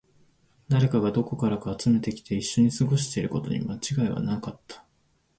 誰かがどこからか集めてきて、一緒に過ごしていることに間違いはなかった